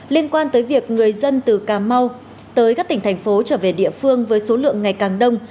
liên quan tới việc người dân từ cà mau tới các tỉnh thành phố trở về địa phương với số lượng ngày càng đông